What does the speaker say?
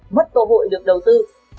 mất cơ hội được đầu tư